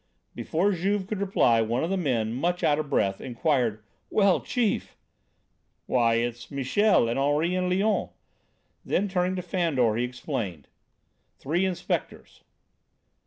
Before Juve could reply one of the men, much out of breath, inquired: "Well, chief!" "Why, it's Michel and Henri and Léon!" Then, turning to Fandor, he explained: "Three inspectors."